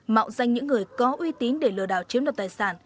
mạo danh những người có uy tín để lừa đảo chiếm đoạt tài sản